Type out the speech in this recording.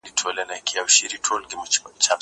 زه پرون مينه څرګندوم وم!!